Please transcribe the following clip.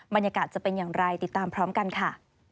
บรรยากาศจะเป็นอย่างไรติดตามพร้อมกันค่ะ